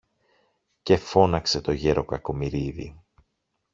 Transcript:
Και φώναξε το γερο-Κακομοιρίδη